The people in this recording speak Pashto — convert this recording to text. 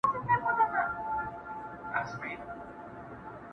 هوسۍ مخكي په ځغستا سوه ډېره تونده؛